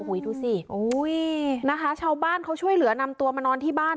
ดูสินะคะชาวบ้านเขาช่วยเหลือนำตัวมานอนที่บ้าน